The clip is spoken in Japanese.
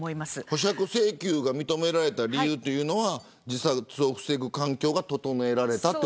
保釈請求が認められた理由は自殺を防ぐ環境が整えられた。